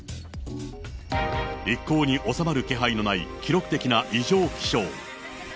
一向に収まる気配のない記録的な異常気象。